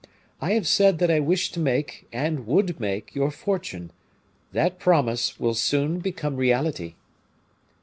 I have said that I wish to make, and would make, your fortune; that promise will soon become reality."